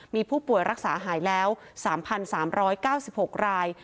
มีผู้ป่วยรักษาหายแล้ว๓๓๙๖ราย